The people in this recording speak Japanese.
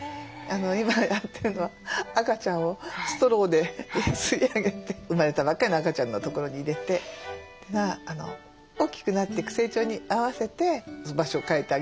今やってるのは赤ちゃんをストローで吸い上げて生まれたばかりの赤ちゃんのところに入れて大きくなっていく成長に合わせて場所を変えてあげるんです。